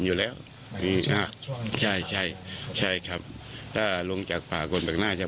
ตำบลขอพละย์มันได้